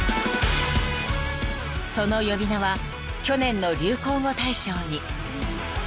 ［その呼び名は去年の流行語大賞に］